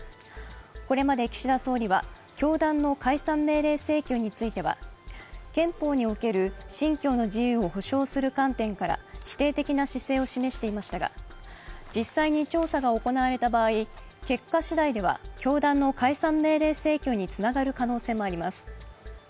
これまで岸田総理は、教団の解散命令請求については憲法における、信教の自由を保障する観点から否定的な姿勢を示していましたが、実際に調査が行われた場合、結果しだいでは教団の解散命令請求につながる可能性もあります。